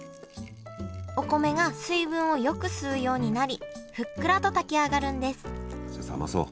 お米が水分をよく吸うようになりふっくらと炊き上がるんですじゃあ冷まそう。